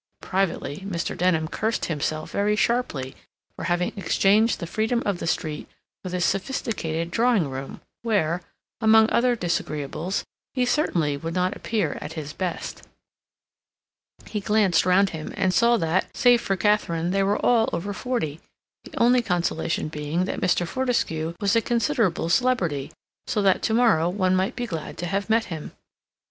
Privately, Mr. Denham cursed himself very sharply for having exchanged the freedom of the street for this sophisticated drawing room, where, among other disagreeables, he certainly would not appear at his best. He glanced round him, and saw that, save for Katharine, they were all over forty, the only consolation being that Mr. Fortescue was a considerable celebrity, so that to morrow one might be glad to have met him.